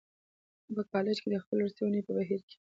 په کالج کې د خپلې وروستۍ اونۍ په بهیر کې